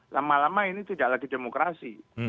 lama lama ini tidak lagi demokrasi